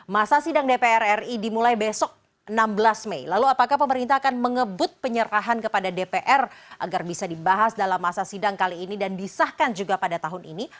masa sidang dpr ri dimulai besok enam belas mei lalu apakah pemerintah akan mengebut penyerahan kepada dpr agar bisa dibahas dalam masa sidang kali ini dan disahkan juga pada tahun ini